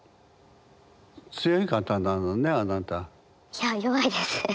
いや弱いです。